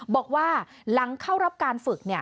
บอกว่าหลังเข้ารับการฝึก